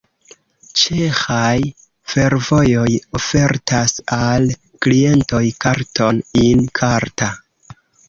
Ĉeĥaj fervojoj ofertas al klientoj karton In-karta.